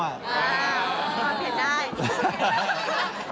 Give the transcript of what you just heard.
อ้าวมันเปลี่ยนได้